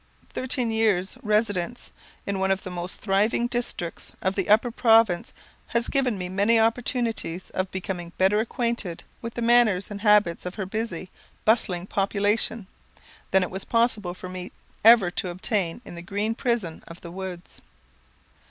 Thirteen years' residence in one of the most thriving districts in the Upper Province has given me many opportunities of becoming better acquainted with the manners and habits of her busy, bustling population, than it was possible for me ever to obtain in the green prison of the woods.